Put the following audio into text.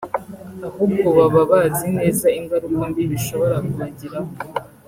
ahubwo baba bazi neza ingaruka mbi bishobora kubagiraho